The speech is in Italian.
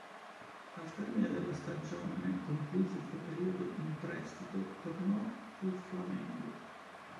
Al termine della stagione, concluso il suo periodo in prestito, tornò al Flamengo.